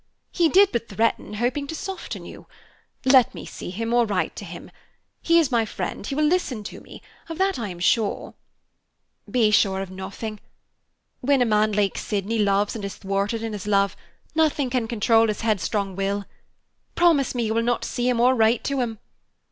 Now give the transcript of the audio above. He did but threaten, hoping to soften you. Let me see him, or write to him. He is my friend; he will listen to me. Of that I am sure." "Be sure of nothing. When a man like Sydney loves and is thwarted in his love, nothing can control his headstrong will. Promise me you will not see or write to him.